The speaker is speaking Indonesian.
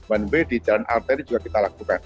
one way di jalan arteri juga kita lakukan